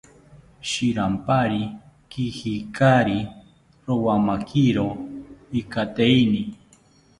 Shirampari kijinkari, rowamakiro ikateini